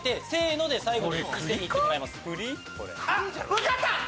分かった！